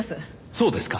そうですか。